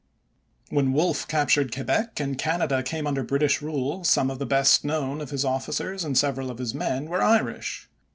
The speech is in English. When Wolfe captured Quebec and Canada came under British rule, some of the best known of his officers and several of his men were Irish.